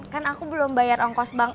kan aku belum bayar ongkos bank